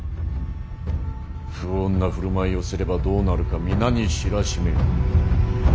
不穏な振る舞いをすればどうなるか皆に知らしめる。